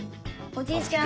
おじいちゃん！